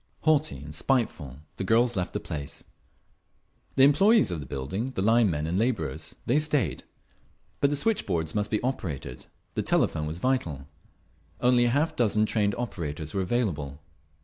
… Haughty and spiteful the girls left the place…. The employees of the building, the line men and labourers—they stayed. But the switch boards must be operated—the telephone was vital…. Only half a dozen trained operators were available.